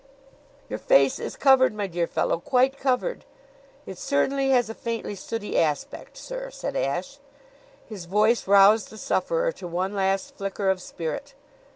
"Your face is covered, my dear fellow quite covered." "It certainly has a faintly sooty aspect, sir," said Ashe. His voice roused the sufferer to one last flicker of spirit.